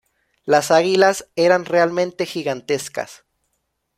Las Águilas eran realmente gigantescas.